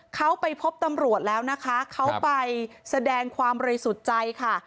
เขาไปพบตำรวจแล้วนะคะเขาไปแสดงความบริสุทธิ์ใจค่ะ